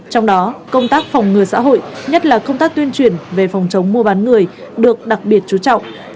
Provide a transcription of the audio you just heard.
trong đó công tác phòng ngừa xã hội nhất là công tác tuyên truyền về phòng chống mua bán người được đặc biệt chú trọng